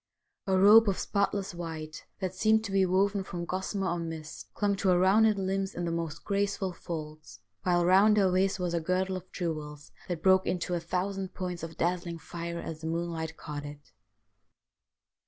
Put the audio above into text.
A robe 18 STORIES WEIRD AND WONDERFUL of spotless white, that seemed to be woven from gossamer or mist, clung to her rounded limbs in the most graceful folds, while round her waist was a girdle of jewels that broke into a thousand points of dazzling fire as the moonlight caught it.